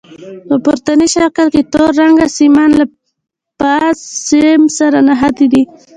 په پورتني شکل کې تور رنګ سیمان له فاز سیم سره نښتي دي.